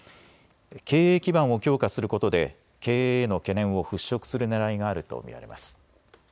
経営基盤を強化することで経営への懸念を払拭するねらいがあると見られます。